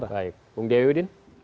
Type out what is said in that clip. baik bung diyawudin